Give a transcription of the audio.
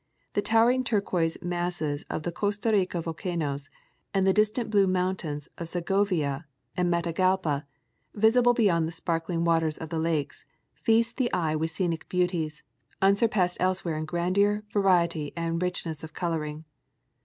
the towering turquoise masses of the Costa Rican volcanoes ;, and the distant blue mountains of Segovia and Matagalpa, visible beyond the sparkling waters of the lakes, feast the eye with scenic beauties, unsurpassed elsewhere in grandeur, variety and richness of coloring.